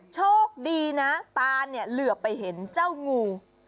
โชคดีนะตาเนี่ยเหลือไปเห็นเจ้างู